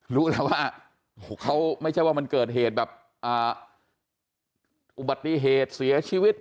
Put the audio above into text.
รู้แล้วว่าเขาไม่ใช่ว่ามันเกิดเหตุแบบอุบัติเหตุเสียชีวิต